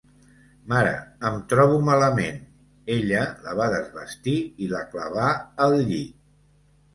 "Mare, em trobo malament." Ella la va desvestir i la clavà al llit.